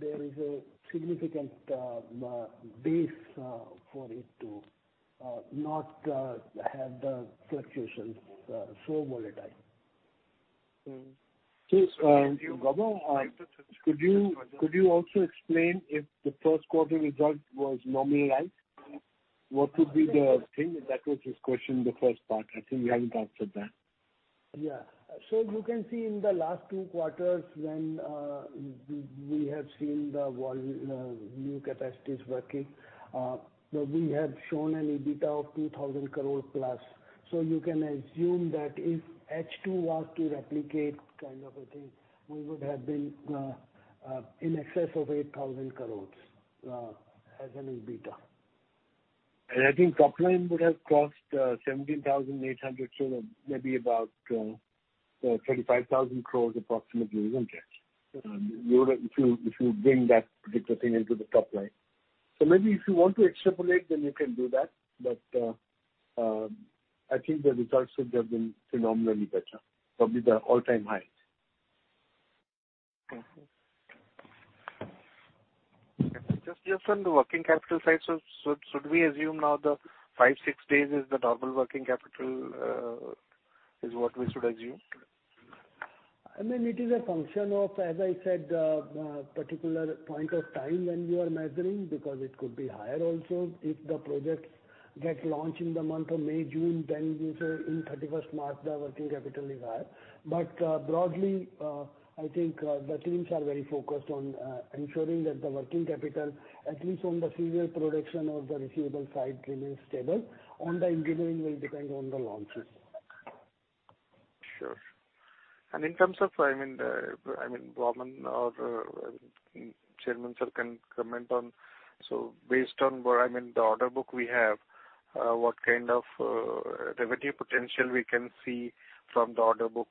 there is a significant base for it to not have the fluctuations so volatile. Yes. Gopal, could you also explain if the Q1 result was normalized? What would be the thing? That was his question, the first part. I think you haven't answered that. Yeah. So you can see in the last two quarters when we have seen the new capacities working, we have shown an EBITDA of 2,000 crore plus. So you can assume that if H2 was to replicate kind of a thing, we would have been in excess of 8,000 crores as an EBITDA. And I think top line would have crossed 17,800, so maybe about 35,000 crores approximately, isn't it? If you bring that particular thing into the top line. So maybe if you want to extrapolate, then you can do that. But I think the results would have been phenomenally better, probably the all-time highs. Just on the working capital side, so should we assume now the five, six days is the normal working capital is what we should assume? I mean, it is a function of, as I said, the particular point of time when you are measuring because it could be higher also. If the projects get launched in the month of May, June, then in 31st March, the working capital is higher. But broadly, I think the teams are very focused on ensuring that the working capital, at least on the serial production or the receivable side, remains stable. On the engineering, it will depend on the launches. Sure. And in terms of, I mean, Vaaman or Chairman Sir can comment on. So based on what I mean, the order book we have, what kind of revenue potential we can see from the order book,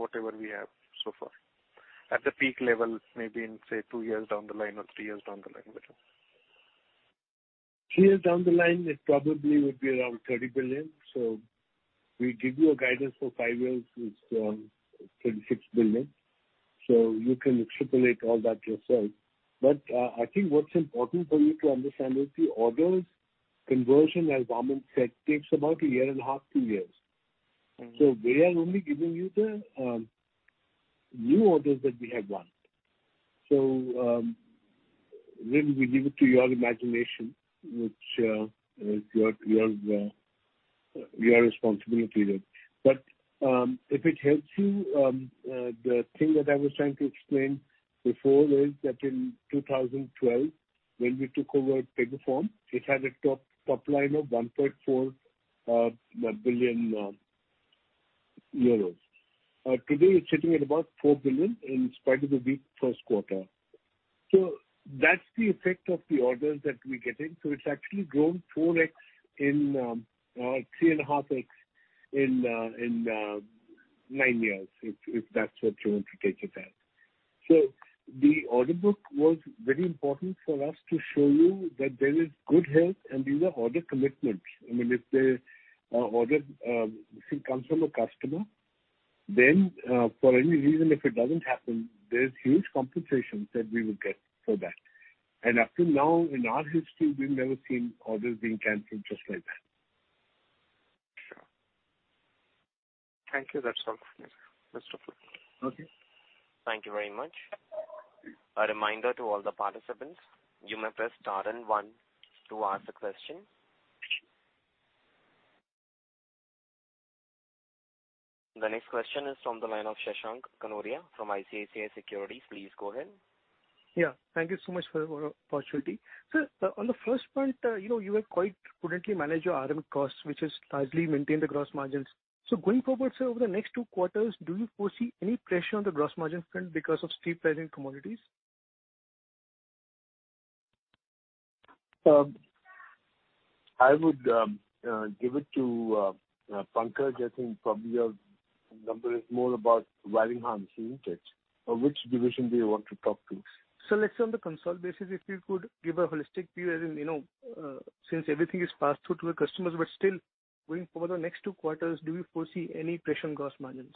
whatever we have so far at the peak level, maybe in, say, two years down the line or three years down the line? Three years down the line, it probably would be around 30 billion. So we give you a guidance for five years is 36 billion. So you can extrapolate all that yourself. But I think what's important for you to understand is the orders conversion, as Vaaman said, takes about a year and a half, two years. So we are only giving you the new orders that we have won. So then we leave it to your imagination, which is your responsibility. But if it helps you, the thing that I was trying to explain before is that in 2012, when we took over Peguform, it had a top line of 1.4 billion euros. Today, it's sitting at about 4 billion in spite of the weak Q1. So that's the effect of the orders that we're getting. It's actually grown 4x or 3.5x in nine years, if that's what you want to take it as. The order book was very important for us to show you that there is good health and these are order commitments. I mean, if the order comes from a customer, then for any reason, if it doesn't happen, there's huge compensations that we will get for that. Up to now, in our history, we've never seen orders being canceled just like that. Sure. Thank you. That's all for me. Okay. Thank you very much. A reminder to all the participants, you may press star and one to ask a question. The next question is from the line of Shashank Kanodia from ICICI Securities. Please go ahead. Yeah. Thank you so much for your opportunity. Sir, on the first point, you have quite prudently managed your RM costs, which has largely maintained the gross margins. So going forward, sir, over the next two quarters, do you foresee any pressure on the gross margin front because of steep rising commodities? I would give it to Pankaj. I think probably your number is more about wiring harness, isn't it? Or which division do you want to talk to? So let's say on the cost basis, if you could give a holistic view, as in since everything is passed through to the customers, but still, going forward, the next two quarters, do you foresee any pressure on gross margins?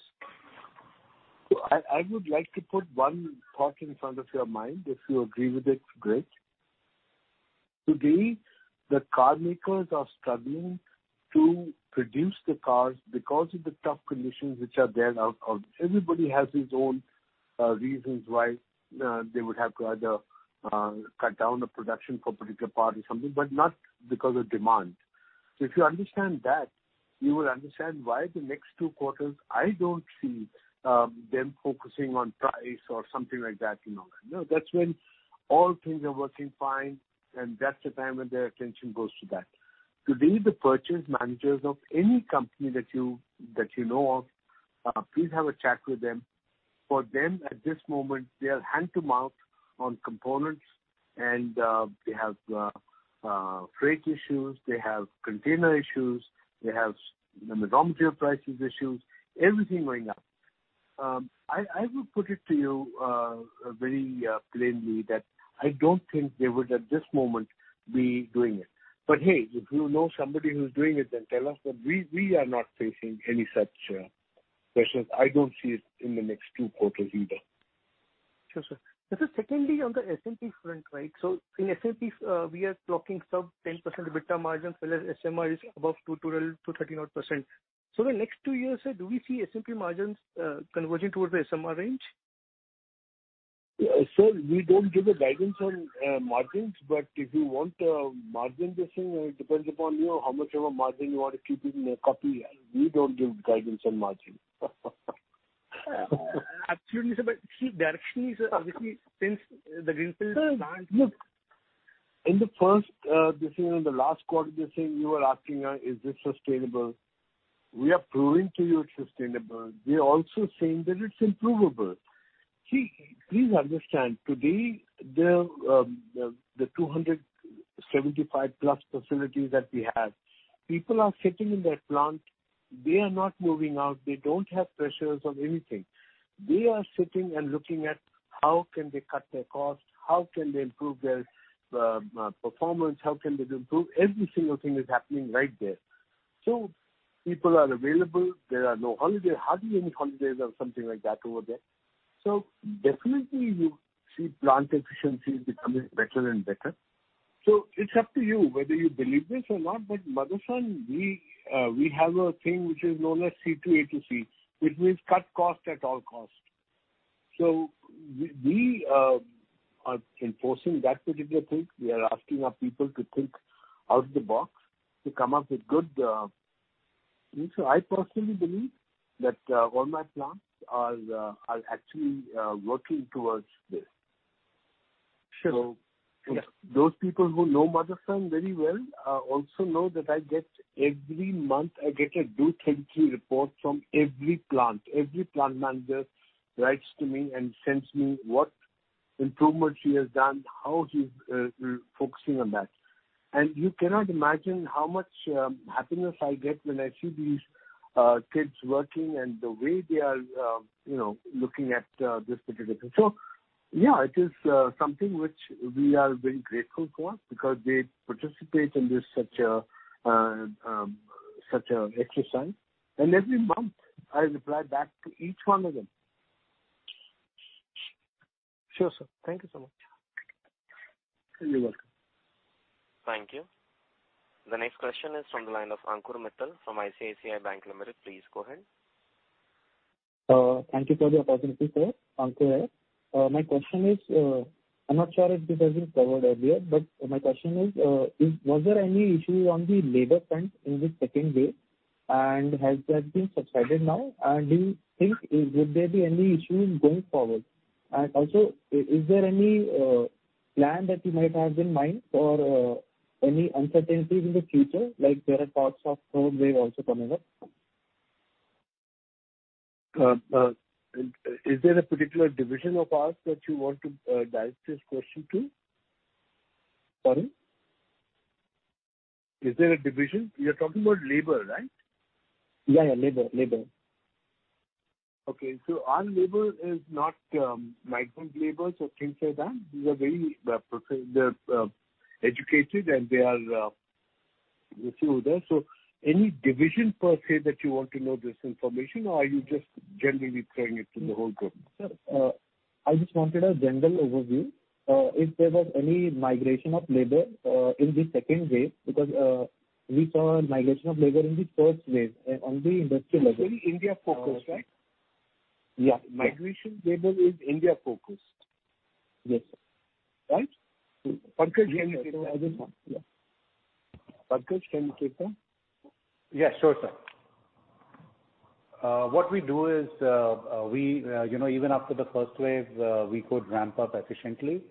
I would like to put one thought in front of your mind. If you agree with it, great. Today, the car makers are struggling to produce the cars because of the tough conditions which are there. Everybody has his own reasons why they would have to either cut down the production for a particular part or something, but not because of demand. So if you understand that, you will understand why the next two quarters, I don't see them focusing on price or something like that. That's when all things are working fine, and that's the time when their attention goes to that. Today, the purchase managers of any company that you know of, please have a chat with them. For them, at this moment, they are hand-to-mouth on components, and they have freight issues. They have container issues. They have raw material prices issues. Everything going up. I will put it to you very plainly that I don't think they would, at this moment, be doing it. But hey, if you know somebody who's doing it, then tell us. But we are not facing any such pressures. I don't see it in the next two quarters either. Sure, sir. But secondly, on the SMP front, right? So in SMP, we are clocking sub 10% EBITDA margin, whereas SMR is above 21%-39%. So in the next two years, sir, do we see SMP margins converging towards the SMR range? Sir, we don't give a guidance on margins. But if you want a margin decision, it depends upon how much of a margin you want to keep in a copy. We don't give guidance on margins. Absolutely, sir. But see, the action is obviously since the greenfield plant. Look, in the first decision, in the last quarter decision, you were asking, "Is this sustainable?" We are proving to you it's sustainable. We're also saying that it's improvable. See, please understand, today, the 275+ facilities that we have, people are sitting in their plant. They are not moving out. They don't have pressures of anything. They are sitting and looking at how can they cut their cost, how can they improve their performance, how can they improve. Every single thing is happening right there. So. People are available. There are no holidays, hardly any holidays or something like that over there. So definitely, you see plant efficiency becoming better and better. So it's up to you whether you believe this or not. But Motherson, we have a thing which is known as C2A2C, which means cut cost at all costs. So we are enforcing that particular thing. We are asking our people to think out of the box, to come up with good. So I personally believe that all my plants are actually working towards this. Sure. Those people who know Motherson very well also know that every month, I get a detailed report from every plant. Every plant manager writes to me and sends me what improvement she has done, how she's focusing on that. You cannot imagine how much happiness I get when I see these kids working and the way they are looking at this particular thing. Yeah, it is something which we are very grateful for because they participate in such an exercise. Every month, I reply back to each one of them. Sure, sir. Thank you so much. You're welcome. Thank you. The next question is from the line of Ankur Mittal from ICICI Bank Limited. Please go ahead. Thank you for the opportunity, sir. Ankur here. My question is, I'm not sure if this has been covered earlier, but my question is, was there any issue on the labor front in the second wave? And has that been subsided now? And do you think would there be any issues going forward? And also, is there any plan that you might have in mind for any uncertainties in the future? There are thoughts of third wave also coming up. Is there a particular division of ours that you want to direct this question to? Sorry? Is there a division? You're talking about labor, right? Yeah, yeah. Labor, labor. Okay. So our labor is not migrant labor, so things like that. They are very educated, and they are seeing there. So any division per se that you want to know this information, or are you just generally throwing it to the whole group? I just wanted a general overview. If there was any migration of labor in the second wave because we saw migration of labor in the first wave and on the industrial level? Actually, India-focused, right? Yeah. Migration of labor is India-focused. Yes, sir. Right? Pankaj, can you take that? Pankaj, can you take that? Yeah, sure, sir. What we do is even after the first wave, we could ramp up efficiently.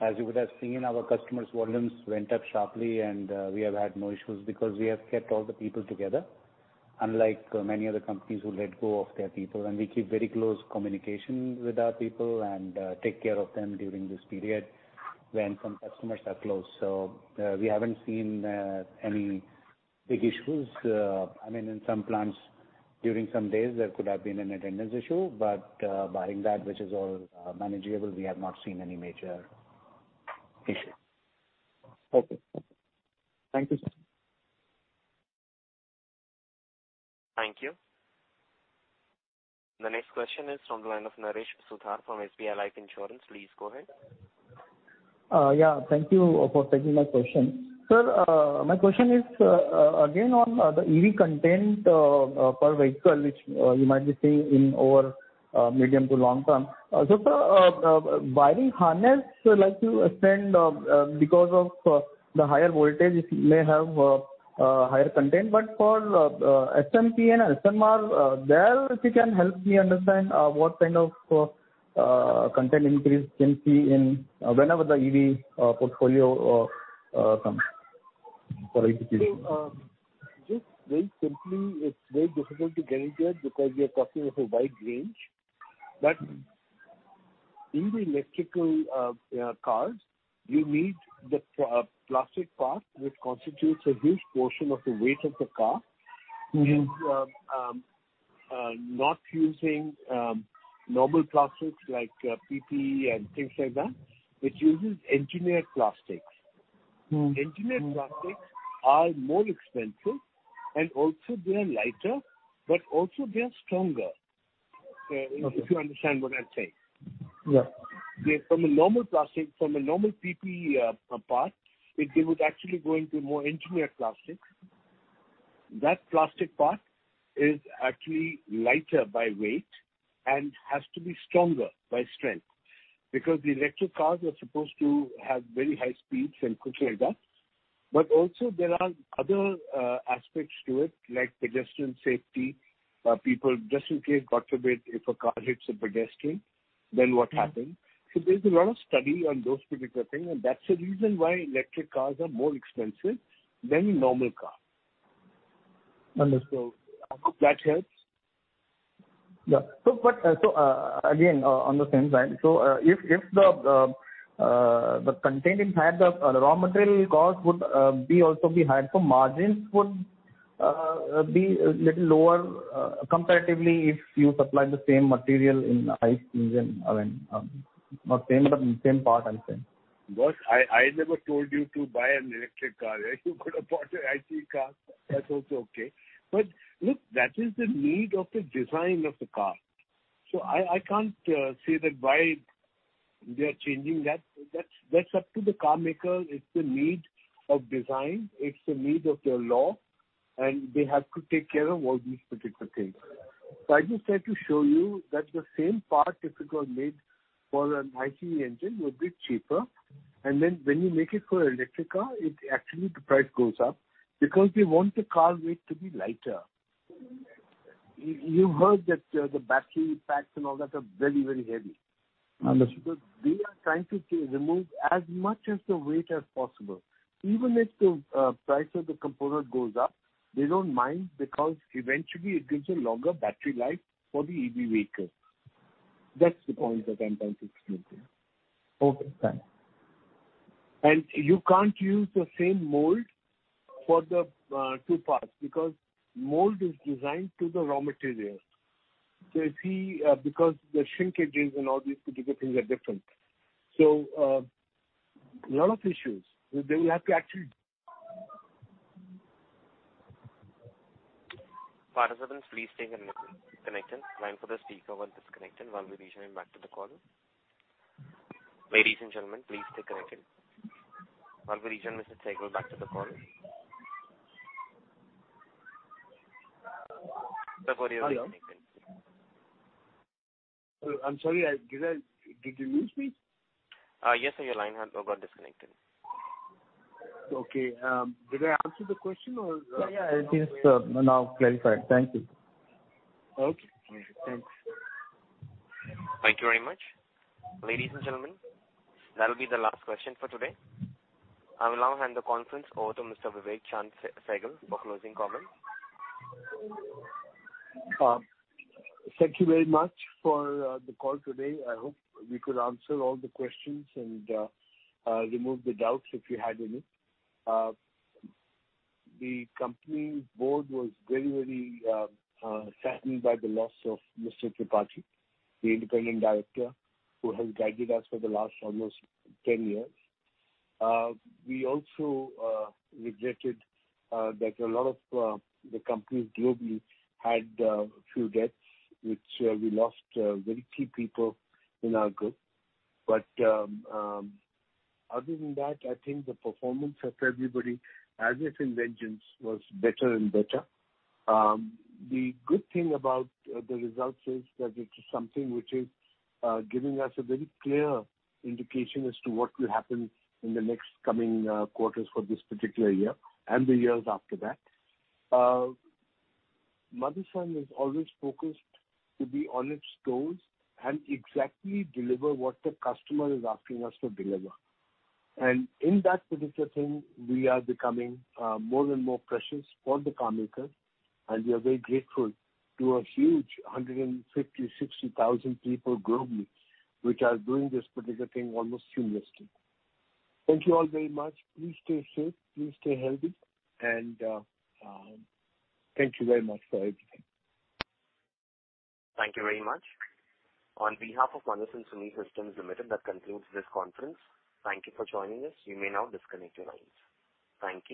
As you would have seen, our customers' volumes went up sharply, and we have had no issues because we have kept all the people together, unlike many other companies who let go of their people. And we keep very close communication with our people and take care of them during this period when some customers are closed. So we haven't seen any big issues. I mean, in some plants, during some days, there could have been an attendance issue. But barring that, which is all manageable, we have not seen any major issues. Okay. Thank you, sir. Thank you. The next question is from the line of Naresh Suthar from SBI Life Insurance. Please go ahead. Yeah. Thank you for taking my question. Sir, my question is again on the EV content per vehicle, which you might be seeing in the medium to long term. So sir, wiring harness would like to spend because of the higher voltage, it may have a higher content. But for SMP and SMR, if you can help me understand what kind of content increase can see whenever the EV portfolio comes for execution. Just, very simply, it's very difficult to get into it because you're talking of a wide range. But in the electric cars, you need the plastic part, which constitutes a huge portion of the weight of the car. It is not using normal plastics like PP and things like that. It uses engineered plastics. Engineered plastics are more expensive, and also, they are lighter, but also, they are stronger, if you understand what I'm saying. From a normal plastic, from a normal PP part, they would actually go into more engineered plastics. That plastic part is actually lighter by weight and has to be stronger by strength because the electric cars are supposed to have very high speeds and things like that. But also, there are other aspects to it, like pedestrian safety, people just in case God forbid, if a car hits a pedestrian, then what happens. So there's a lot of study on those particular things, and that's the reason why electric cars are more expensive than a normal car. Understood. So I hope that helps. Yeah. So again, on the same side, so if the content is higher, the raw material cost would also be higher, so margins would be a little lower comparatively if you supply the same material in IC engine or same part, I'm saying. Boss, I never told you to buy an electric car. You could have bought an ICE car. That's also okay. But look, that is the need of the design of the car. So I can't say that why they are changing that. That's up to the car maker. It's the need of design. It's the need of their law, and they have to take care of all these particular things. So I just try to show you that the same part, if it was made for an ICE engine, would be cheaper. And then when you make it for an electric car, actually, the price goes up because they want the car weight to be lighter. You heard that the battery packs and all that are very, very heavy. Understood. Because they are trying to remove as much of the weight as possible. Even if the price of the component goes up, they don't mind because eventually, it gives a longer battery life for the EV vehicle. That's the point that I'm trying to explain to you. Okay. Thanks. And you can't use the same mold for the two parts because mold is designed to the raw material. So you see, because the shrinkages and all these particular things are different. So a lot of issues. They will have to actually. Participants, please stay connected. Line for the speaker will disconnect while we rejoin back to the call. Ladies and gentlemen, please stay connected. While we rejoin Mr. Sehgal back to the call. Sir, sorry, you're disconnected. I'm sorry. Did you lose me? Yes, sir. Your line got disconnected. Okay. Did I answer the question or? Yeah, yeah. It is now clarified. Thank you. Okay. Thanks. Thank you very much. Ladies and gentlemen, that will be the last question for today. I will now hand the conference over to Mr. Vivek Chaand Sehgal for closing comments. Thank you very much for the call today. I hope we could answer all the questions and remove the doubts if you had any. The company's board was very, very saddened by the loss of Mr. Tripathi, the independent director who has guided us for the last almost 10 years. We also regretted that a lot of the companies globally had a few deaths, which we lost very key people in our group. But other than that, I think the performance of everybody, as IC engines, was better and better. The good thing about the results is that it is something which is giving us a very clear indication as to what will happen in the next coming quarters for this particular year and the years after that. Motherson is always focused to be on its goals and exactly deliver what the customer is asking us to deliver. And in that particular thing, we are becoming more and more precious for the car makers. And we are very grateful to a huge 150,000, 160,000 people globally which are doing this particular thing almost seamlessly. Thank you all very much. Please stay safe. Please stay healthy. And thank you very much for everything. Thank you very much. On behalf of Motherson Sumi Systems Limited, that concludes this conference. Thank you for joining us. You may now disconnect your lines. Thank you.